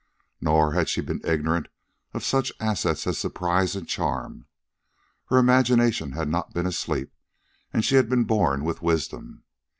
Nor had she been ignorant of such assets as surprise and charm. Her imagination had not been asleep, and she had been born with wisdom.